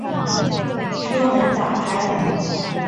车门打开了